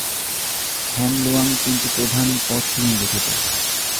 থ্যাম লুয়াং তিনটি প্রধান পথ নিয়ে গঠিত।